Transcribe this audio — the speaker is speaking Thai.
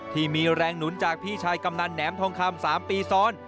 ที่มีแรงหนุนจากพี่ชายกำนันแหนมทองคำ๓ปีซ้อน